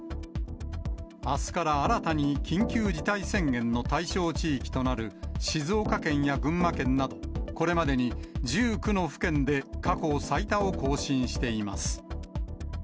あすから新たに緊急事態宣言の対象地域となる静岡県や群馬県など、これまでに１９の府県で、過去最多を更新しています。